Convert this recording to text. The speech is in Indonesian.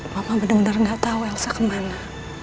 mama bener bener gak tau elsa kemana